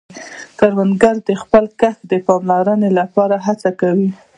کروندګر د خپل کښت د پاملرنې له پاره هڅه کوي